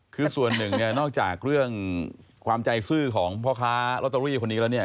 คือส่วนหนึ่งเนี่ยนอกจากเรื่องความใจซื่อของพ่อค้าลอตเตอรี่คนนี้แล้วเนี่ย